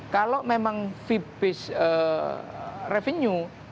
kalau memang fee based revenue